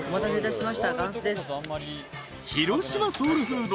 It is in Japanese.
［広島ソウルフード］